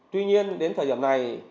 tuy nhiên đến thời điểm này